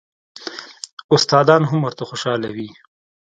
استادان هم ورته خوشاله وي.